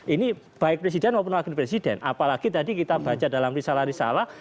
ini baik presiden maupun wakil presiden apalagi tadi kita baca dalam risalah risalah